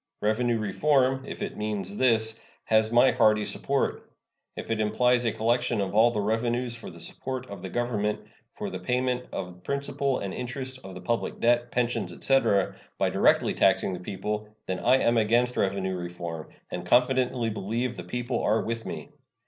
Revenue reform, if it means this, has my hearty support. If it implies a collection of all the revenue for the support of the Government, for the payment of principal and interest of the public debt, pensions, etc., by directly taxing the people, then I am against revenue reform, and confidently believe the people are with me.